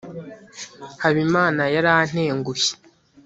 habimana yarantengushye